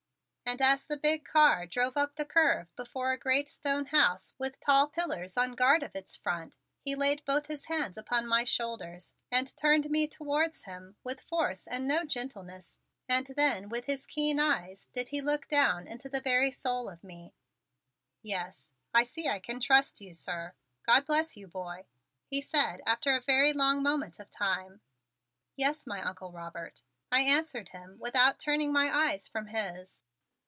And as the big car drove up to the curb before a great stone house with tall pillars on guard of its front, he laid both his hands upon my shoulders and turned me towards him with force and no gentleness and then with his keen eyes did he look down into the very soul of me. "Yes, I see I can trust you, sir. God bless you, boy!" he said after a very long moment of time. "Yes, my Uncle Robert," I answered him without turning my eyes from his.